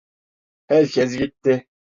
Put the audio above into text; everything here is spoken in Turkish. Herkes gitti.